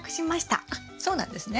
あっそうなんですね。